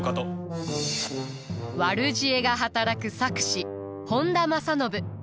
悪知恵が働く策士本多正信。